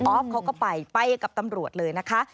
เขาก็ไปไปกับตำรวจเลยนะคะ